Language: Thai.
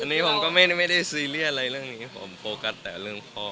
อันนี้ผมก็ไม่ได้ซีเรียสอะไรเรื่องนี้ผมโฟกัสแต่เรื่องพ่อ